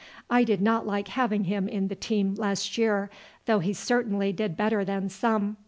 I did not like having him in the team last year, though he certainly did better than some.